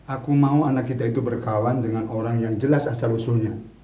aku mau anak kita itu berkawan dengan orang yang jelas asal usulnya